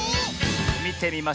みてみましょう。